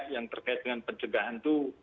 yang terkait dengan pencegahan itu